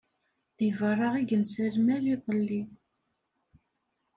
Di berra i yensa lmal iḍelli.